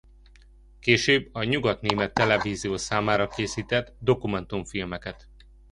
Később a nyugatnémet televízió számára készített dokumentumfilmeket.